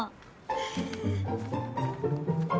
へえ。